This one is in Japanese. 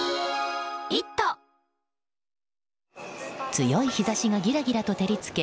強い日差しがぎらぎらと照り付け